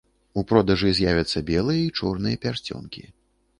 У продажы з'явяцца белыя і чорныя пярсцёнкі.